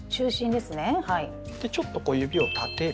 でちょっとこう指を立てる。